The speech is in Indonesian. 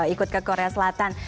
ikut ke korea selatan